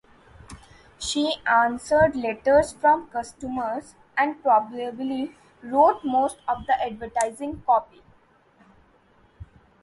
She answered letters from customers and probably wrote most of the advertising copy.